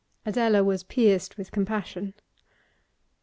Adela was pierced with compassion.